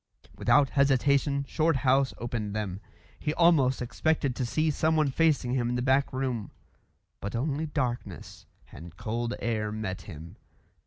Without hesitation Shorthouse opened them. He almost expected to see someone facing him in the back room; but only darkness and cold air met him.